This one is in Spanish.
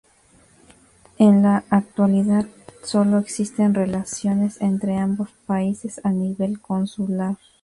En la actualidad, sólo existen relaciones entre ambos países a nivel consular.